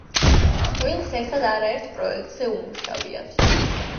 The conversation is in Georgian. წყვილს ერთად არაერთ პროექტზე უმუშავიათ.